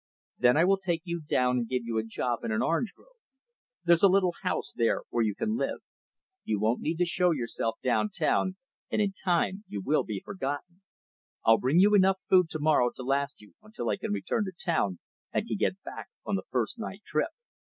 Then I will take you down and give you a job in an orange grove. There's a little house there where you can live. You won't need to show yourself down town and, in time, you will be forgotten. I'll bring you enough food to morrow to last you until I can return to town and can get back on the first night trip."